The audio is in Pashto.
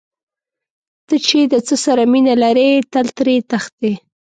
ته چې د څه سره مینه لرې تل ترې تښتې.